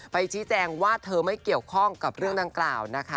ชี้แจงว่าเธอไม่เกี่ยวข้องกับเรื่องดังกล่าวนะคะ